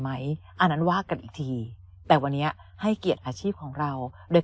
อันนั้นว่ากันอีกทีแต่วันนี้ให้เกียรติอาชีพของเราโดย